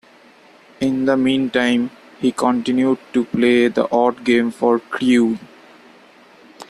In the meantime, he continued to play the odd game for Crewe.